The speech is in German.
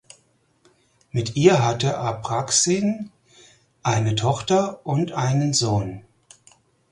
Mit ihr hatte Apraxin eine Tochter und einen Sohn.